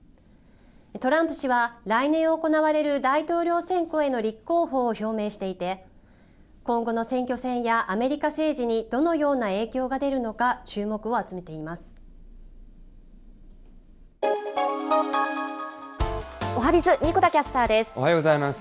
トランプ氏は来年行われる大統領選挙への立候補を表明していて、今後の選挙戦やアメリカ政治にどのような影響が出るのか注目を集おはＢｉｚ、おはようございます。